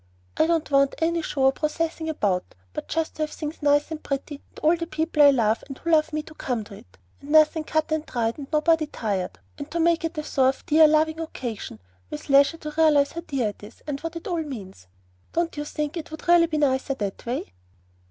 I don't want any show or processing about, but just to have things nice and pretty, and all the people I love and who love me to come to it, and nothing cut and dried, and nobody tired, and to make it a sort of dear, loving occasion, with leisure to realize how dear it is and what it all means. Don't you think it would really be nicer in that way?"